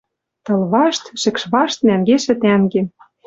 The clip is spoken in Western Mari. Тыл вашт, шӹкш вашт нӓнгешӹ тӓнгем